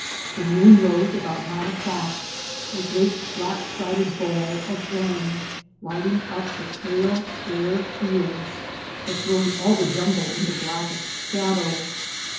The moon rose about nine o'clock a great flat sided ball of orange, lighting up the pale bare fields but throwing all the jungle into blackest shadow.